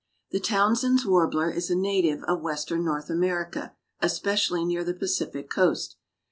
The Townsend's Warbler is a native of Western North America, especially near the Pacific coast.